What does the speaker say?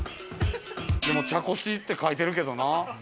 でも茶こしって書いてるけどな。